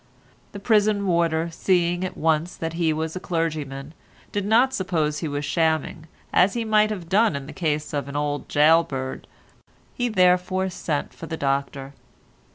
The prison warder, seeing at once that he was a clergyman, did not suppose he was shamming, as he might have done in the case of an old gaol bird; he therefore sent for the doctor.